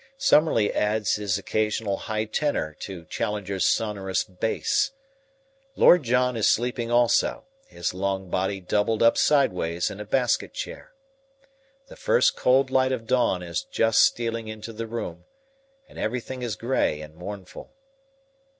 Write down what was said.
Summerlee adds his occasional high tenor to Challenger's sonorous bass. Lord John is sleeping also, his long body doubled up sideways in a basket chair. The first cold light of dawn is just stealing into the room, and everything is grey and mournful.